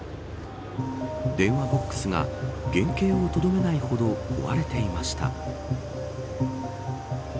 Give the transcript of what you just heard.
電話ボックスが原形をとどめないほど壊れていました。